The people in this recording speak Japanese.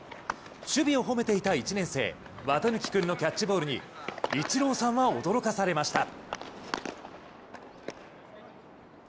守備を褒めていた１年生綿貫君のキャッチボールにイチローさんは驚かされました。